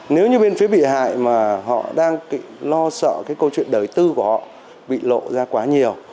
nếu như bên phía bị hại mà họ đang lo sợ cái câu chuyện đời tư của họ bị lộ ra quá nhiều